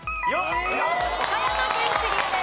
岡山県クリアです。